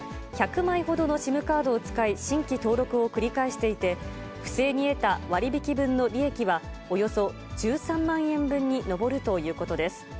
１００枚ほどのＳＩＭカードを使い、新規登録を繰り返していて、不正に得た割引分の利益は、およそ１３万円分に上るということです。